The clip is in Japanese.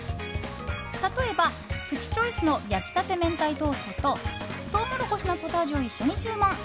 例えば、プチチョイスの焼きたて明太トーストととうもろこしのポタージュを一緒に注文。